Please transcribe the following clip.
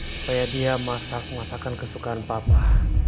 supaya dia masak masakan kesukaan papa